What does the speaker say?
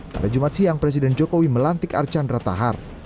pada jumat siang presiden jokowi melantik archandra tahar